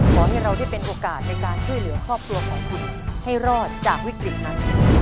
ขอให้เราได้เป็นโอกาสในการช่วยเหลือครอบครัวของคุณให้รอดจากวิกฤตนั้น